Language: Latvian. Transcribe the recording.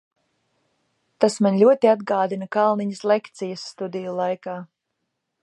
Tas man ļoti atgādina Kalniņas lekcijas studiju laikā.